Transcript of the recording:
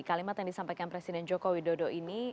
kalimat yang disampaikan presiden joko widodo ini